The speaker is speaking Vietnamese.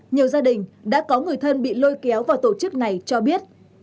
nhiều gia đình đã có người thân bị lôi kéo vào tổ chức này cho biết